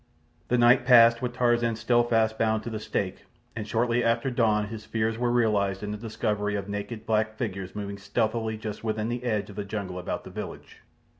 The night passed with Tarzan still fast bound to the stake, and shortly after dawn his fears were realized in the discovery of naked black figures moving stealthily just within the edge of the jungle about the village.